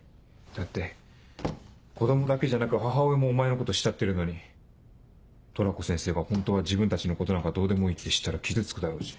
だって子供だけじゃなく母親もお前のこと慕ってるのにトラコ先生がホントは自分たちのことなんかどうでもいいって知ったら傷つくだろうし。